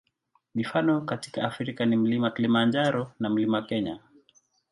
Mifano katika Afrika ni Mlima Kilimanjaro na Mlima Kenya.